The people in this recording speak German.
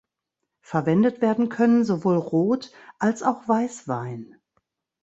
Verwendet werden können sowohl Rot- als auch Weisswein.